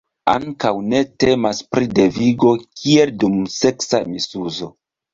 Ankaŭ ne temas pri devigo, kiel dum seksa misuzo.